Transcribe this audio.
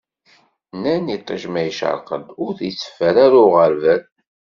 Nnan iṭij ma icreq-d, ur t-iteffer ara uɣerbal.